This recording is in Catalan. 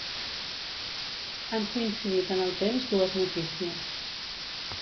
Han coincidit en el temps dues noticies.